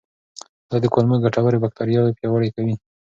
دا د کولمو ګټورې باکتریاوې پیاوړې کوي.